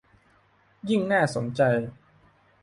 ยิ่งน่าสนใจ